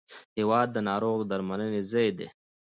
هېواد د ناروغ د درملنې ځای دی.